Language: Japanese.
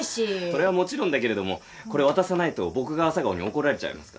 それはもちろんだけれどもこれ渡さないと僕が朝顔に怒られちゃいますから。